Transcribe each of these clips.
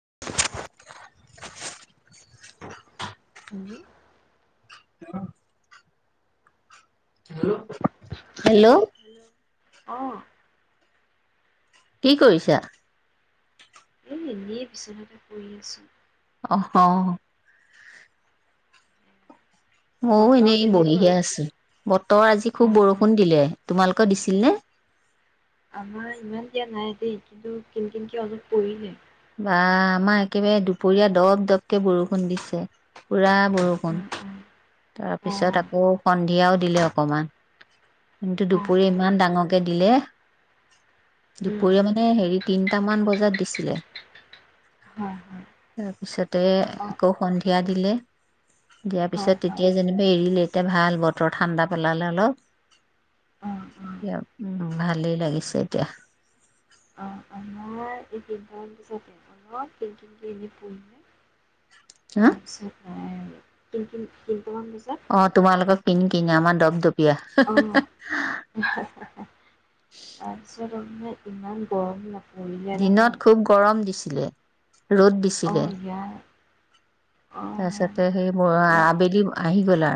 [unintelligible] আৰু hello hello hello অঁঃ কি কৰিছা? এই এনেই বিচনাতে পৰি আছোঁ। অঃ অ'। মইও বতৰ এনেই কেনেকুৱা? বহিহে আছো। বতৰ আজি খুব অ', অ'। বৰষুণ দিলে। তোমালোকৰ দিছিল নে? আমাৰ ইমান দিয়া নাই দেই। কিন্তু, কিনকিনকে অলপ পৰিলে বা, আমাৰ একেবাৰে দুপৰীয়া, দপ-দপকে বৰষুণ দিছে। পুৰা বৰষুণ। অ', অ'। তাৰ পিছত, অ', আকৌ সন্ধ সেয়াও দিলে, অকণমান। কিন্তু অ', দুপৰীয়া অ'। ইমান ডাঙৰকৈ দিলে। উম। দুপৰীয়া, মানে, হেৰি, তিনিটামান বজাত দিছিলে। হয়, হয়। তাৰ পিছতে, অঁ আকৌ সন্ধিয়া দিলে। দিয়াৰ হয়, পিছত, হয়। তেতিয়া যেনিবা এৰিলে। এতিয়া ভাল বতৰ। ঠাণ্ডা পেলালে অলপ, অ', অ', এতিয়া। উম, ভালেই লাগিছে এতিয়া। অ', আমাৰ এই তিনটামান পিছতে অলপ কিনকিনকে এনে হা পৰিলে আচ্ছা। কিন কিন কিন অ', তোমালোকৰ কিনকিন, আমাৰ দপদপ অ', তাৰপিছত মানে, ইমান গৰম নাপায় দিনত খুব গৰম দিছিলে। ৰ'দ দিছিলে, অ', ইয়াৰ তাৰ অ', পিছতে, সেই ইয়াত আবেলি আহি গ'লা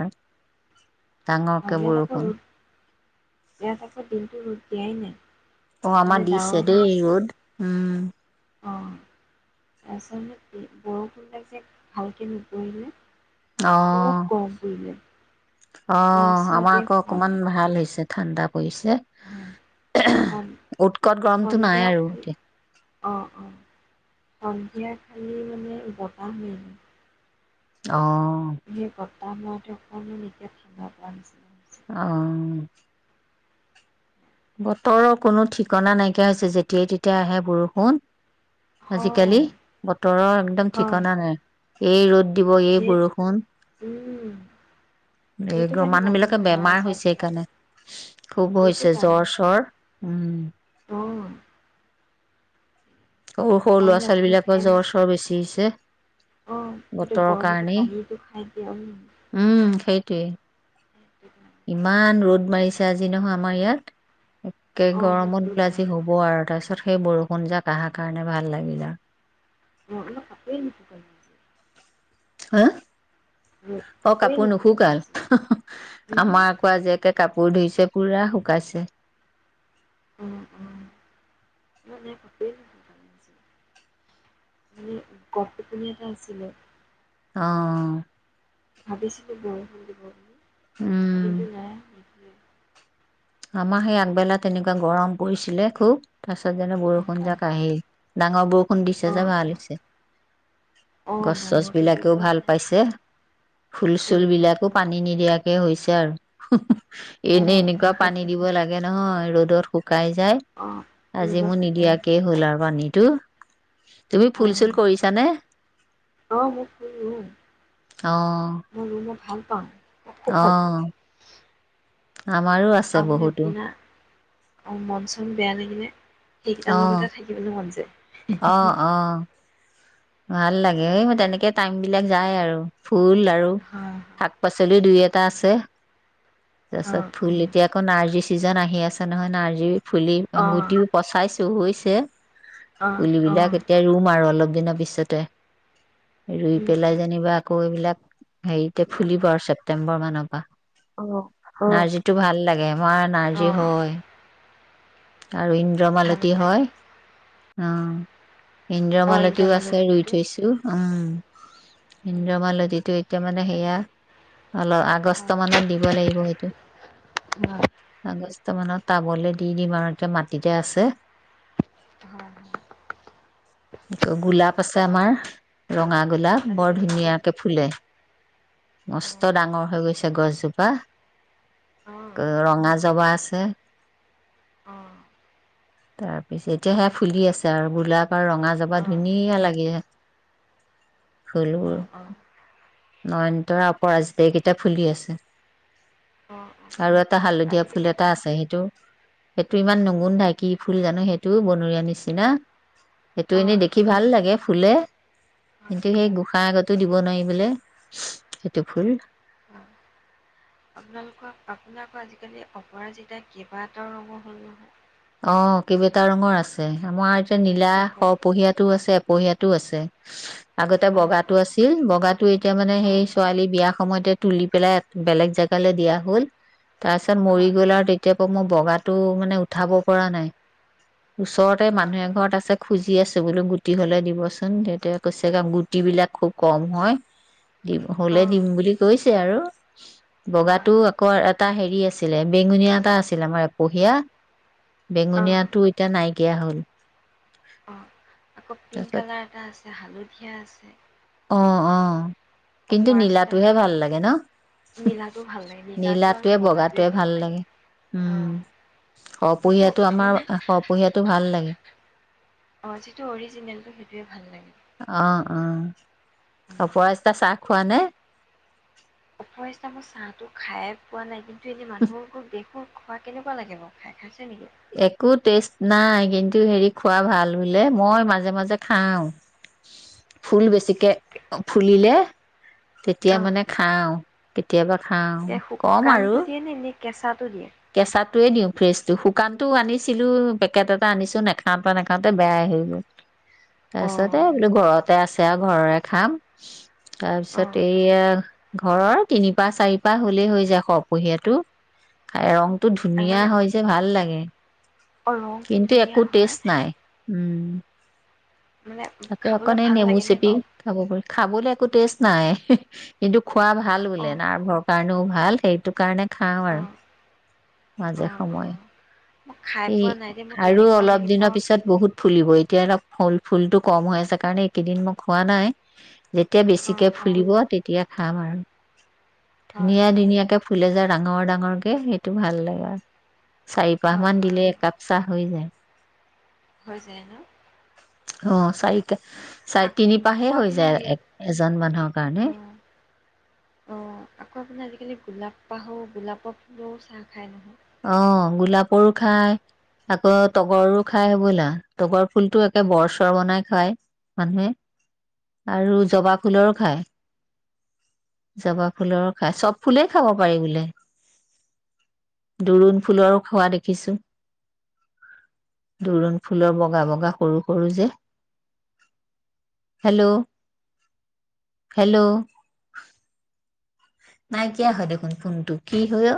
ডাঙৰকে ইয়াত আকৌ ৰ'দ বৰষুণ। অ', ইয়াত আকৌ দিনটো ৰ'দ দিয়াই নাই। অ', মানে আমাৰ ডাৱৰ দিছে দেই, ৰ'দ, উম। অ', তাৰ পিছত, সেইটোৱেই বৰষুণজাক যে, ভালকে নপৰিলে। অ খুব কম [unintelligible] অ', আমাৰ আকৌ অকণমান সন্ধি ভাল হৈছে, ঠাণ্ডা পৰিছে। অ', সন উৎকট গৰমটো নাই সন্ধিয়া আৰু খালি এ অঁ অঁ সন্ধিয়া খালি, মানে, বতাহ মাৰিলে অ সেই বতাহ মাৰা অকণমানকে ঠাণ্ডা পৰা হৈছে অ'। বতৰৰ কোনো ঠিকনা নাইকিয়া হৈছে। যেতিয়াই-তেতিয়াই আহে বৰষুণ আজিকালি, হয় বতৰৰ একদম হয় ঠিকনা নাই। এই ৰ'দ দিব। এই সেই বৰষুণ, উম এই সেইটো কাৰণে মানুহৰ মানুহবিলাকে বেমাৰ হৈছে। আজাৰবিলাক সেইকাৰণে, খুব সেইটো হৈছে কাৰণে সেইটো জ্বৰ-চ্বৰ। উম। কাৰণে অঁ সৰু-সৰু তাৰমানে ল'ৰা-ছোৱালীবিলাকৰ জ্বৰ-চ্বৰ বেছি হৈছে অ সিহটো বতৰৰ গৰমতে কাৰণেই পানীটো খাই এ তে সেইটো কাৰণে ইমান ৰ'দ মাৰিছে আজি নহয় আমাৰ ইয়াত একে অঁ ইয়াত গৰমত ৰ'দ দিল নাই আজি হ'ব বাৰু আৰু তাৰপিছত সেই বৰষুণ যাক অহাৰ কাৰণে ভাল লাগিল আৰু মন কাপ নক ক যে [inaudible] হা অ কাপোৰে কাপোৰ নুশুকালে নুশুকাই আজি আমাৰ অঁ আকৌ আজিএকে কাপোৰ কাপোৰ ধৰিছে পুৰা শুকাইছে উ উ ম এ কাপেই ম কপ টোপনী এটা আছিলে আহ ভাবিছিলো বৰষুণ দিব বুলি উম কিন্তু ন উম আমাৰ সেই আগবেলা তেনেকুৱা গৰম পৰিছিলে খুব তাৰপিছত যেনে অঁ বৰষুণ অঁ যাক আহিল ডাঙৰ বৰষুণ দিছে যে অঁ ভাল হৈছে অঁ গছ চছ ডাঙৰকৈ দি বিলাকেও দিলে ভাল আপোনাৰ পাইছে ফুল চুল সেইটোৱে বিলাকো পানী নিদিয়া াকে হৈছে আৰু হু হু এনেই এনেকাপ পানী অঁ দিব লাগে নহয় ৰ'দত শুকাই যায় অঁ আজি ৰ'দত মোৰ শুকাই নিদিয়াকে যায় হ'ল আৰু পানীত দুটো তুমি ফুল চুল অঁ কৰিছানে অঁ মোৰ ফুল ৰুওঁ আহ অ আহ আৰু মানে আপোনাৰ মন চন বেয়া লাগিলে সেইকেইটাৰ লগতে থাকিবলৈ মন যায় আহ আহ ভাল লাগে এই ম তেনেকে টাইম বিলাক যায় আৰু ফুল আৰু হয়। শাক পাচলি দুই এট এটা আছে তছত অ', ফুলতিয়াখন আজি ছিজন আহি আছে নহয় নাৰ্জিৰ। ফুলি অ', অ', গুটিও পাইছে। টো হৈছে। অ', পুলিবিলাক অ', এতিয়া ৰুম আৰু অলপ। দিন বিছ। যাতে ৰুই উম, পেলাই উম। যেনিবা। আকৌ এইবিলাক। হেৰি এয়া ফুলিব আৰু ছেপ্তেম্বৰ মান। নবা। অ', অ'। নাৰ্জীটো ভাল লাগে মাৰ নাৰ্জী অ', হয়। আৰু ভাল ইন্দ্ৰমালতী লাগে হয়। অহ। অ', ইন্দ্ৰমালতীও আছে ৰুই ইন্দ্ৰমালতীটো থৈছো। উম উম, উম। ইন্দ্ৰমালতীটো এতিয়া মানে সেয়া আজিকালি অলপ আগষ্ট হয়, মানত দিব লাগিব সেইটো হয়, আগষ্ট মানত। তব দি। দিম আৰু এতিয়া মাটিতে আছে। হ [unintelligible] তৌ গোলাপ আছে আমাৰ ৰঙা গোলাপ বৰ আজিকালি এই ধুনীয়াকে ফুলে অ', নষ্ট ডাঙৰ হৈ গৈছে গছজোপ। বা। অ', ৰঙা জবা আছে। তেএ অহঁ তাৰ পিছত এতিয়া সে ফুলি আছে আৰু গোলাপ। তাৰ ৰঙা জাবা অ', ধুনীয়া লাগিছে। খেলো। অ', নয়নতৰ অপৰাজিতা এই কেইটা ফুলি আছে অ', অ', আৰু এটা হালধীয়া আজিকালি ফুল অ', এটা আছে সেইটো। সেইটো ইমান নগুন্ধাই কি ফুল জানো সেইটো বনৰীয়া নিচিনা সেইটো এনেই হয়, দেখি ভাল লাগে ফুলে। হয়। কিন্তু সেই অ', গোঁসাঁই আগতো দিব নোৱাৰি। বোলে সেইটো ফুল। আপোনালোকক আপোনাক। আজিকালি অপৰাজিতা কিবা এটাও ৰঙৰ হ'ল নহয়। অ কেইবটা ৰঙৰ আছে আমাৰ। নীলা নহয়। সৰহ পহীয়া টো আছে। এপহিয়াতো আছে। আগতে অঁ বগাটো অঁ আছিল বগাটো এতিয়া মানে অঁ সেই ছোৱালী বিয়া সময়তে তুলি পেলাই বেলেগ জেগালৈ দিয়া হ'ল। তাৰ পিছত মৰি হয় গ'ল আৰু তেতিয়া মোৰ বগাত টো মানে উঠাব পৰা নাই। ওচৰতে হয় মানুহে হয় ঘৰত আছে খুজি আছো ত বোলো গুটি হ'লে দিবচোন তেতিয়া কৈছে গুটি বিলাক খুব কম হয়। দিম। হ'লে অঁ দিম বুলি কৈছে আৰু [inaudible] হয় বগাতো হয় আকৌ এটা হেৰি আছে। আছিলে বেঙুনীয়া এটা আছিলে আমাৰ এপহিয়া। অঁ বেঙুনীয়াতটো এতিয়া নাইকিয়া দিয়া হ'ল। অঁ আকৌ পিংক তাৰপিছত কালাৰ এটা আছে, হালধীয়া আছে। অ অ'। কিন্তু অপৰাজিতা নীলাটোহে আজিকালি ভাল লাগে ন। নীলাটো ভাল লাগে নীলাটো আৰু নীলাটোৱে বগাটোৱে ভাল লাগে। উম। অঁ শ যিটো পুহিয়াতো আমাৰ মানে শপুহীয়াতো ভাল লাগে- [unintelligible] অঁ যিটো অৰিজিনেলটো সেইটোৱে ভাল লাগে অ' অ' উম। অপৰাজিতা চাহ খোৱা নে? অপৰাজিতা মই চাহ টো খাইয়ে পোৱা নাই। কিন্তু মানুহ বোৰক দেখো খোৱা। কেনেকুৱা লাগে বাৰু খাই খাই? একো টেষ্ট নাই। কিন্তু হেৰি, খোৱা ভাল বোলে। মই মাজে, মাজে খাওঁ। ফুল বেছিকে, অ, ফুলিলে! তেতিয়া অঁ মানে খাওঁ। কেতিয়াবা খাওঁ, এই কম আৰু। শুকানটো দিয়ে নে এনেই কেঁচাটো দিয়ে? কেঁচাটোৱে দিওঁ ফ্ৰেছটো। শুকানটোও আনিছিলোঁ, পেকেট এটা আনিছোঁ, নাখাওঁতে, নাখাওঁতে বেয়াই হৈ গ'ল। অঁ তাৰপিছতে বোলো ঘৰতে আছে আৰু ঘৰৰে খাম। তাৰপিছত অঁ এইয়া ঘৰৰ তিনিপাহ, চাৰিপাহ হ'লেই হৈ যায়! সৰহপহীয়াটো। খাই ৰং টো আৰু ধুনীয়া মানে হয় যে, ভাল লাগে। অঁ ৰংটো কিন্তু একো ধুনীয়া হয় টেষ্ট নাই উম উম মানে তাতে অকণ খাবলৈ এই ভাল নেমু লাগেনে চেপি বাৰু? খাব পাৰি খাবলৈ একো টেষ্ট নাই কিন্তু খোৱা ভাল বোলে অ', নাৰভৰ কাৰণেও ভাল ভাল সেইটো কাৰণে খাওঁ আৰু অ', মাজে অ', সময়ে অ', মই খাই স পোৱা নাই দেই, মোৰ আৰু কেনেকুৱা অলপ লাগিব দিনৰ পিছত সেই বহুত ফুল ফুলিব এতিয়া অলপ ফল ফুলটো কম হৈ আছে কাৰণে এইকেইদিন মই খোৱা নাই যেতিয়া বেছিকে অ', অ', ফুলিব তেতিয়া খাম আৰু হয়, ধুনীয়া হয়, ধুনীয়াকে ফুলে যাৰ ডঙৰ ডাঙ সেইটো ভাল লাগা চাৰিপাহ হয়, মান হয়, দিলে একাপ চাহ হৈ যায় হৈ যায় ন? আহ চাৰিটা অ', চাৰি তিনিপাহে আকৌ হৈ আপোনাৰ যায় হেৰি এ এজন মানুহৰ কাৰণে অ', অ', আকৌ আপোনাৰ আজিকালি গোলাপ পাহো গোলাপৰ ফুলেও চাহ খাই নহয় অ গোলাপৰো খায় আকৌ তগৰো খায় বোলা তগৰ ফুলতটো একে বৰ চৰ বনাই খায় মানুহে আৰু জবা ফুলৰো খায় জবা ফুলৰো খায় চব ফুলেই খাব পাৰি বোলে দোৰোণ ফুলৰো খোৱা দেখিছো দোৰোণ ফুলৰ বগা বগা সৰু সৰু যে হেলল' হেল্ল' নাইকিয়া হয় দেখোন ফোনটো কি হৈ অ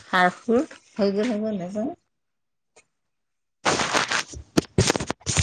সাৰ সুৰ হৈ গৈ হব নাজানো [unintelligible]